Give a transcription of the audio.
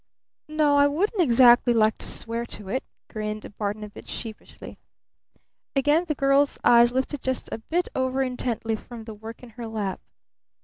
"No, I wouldn't exactly like to swear to it," grinned Barton a bit sheepishly. Again the girl's eyes lifted just a bit over intently from the work in her lap.